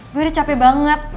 gue udah capek banget